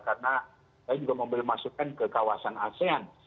karena saya juga membeli masukan ke kawasan asean